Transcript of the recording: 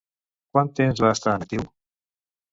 Quant temps va estar en actiu?